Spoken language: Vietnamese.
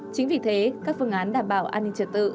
chính vì thế các phương án đảm bảo an ninh trật tự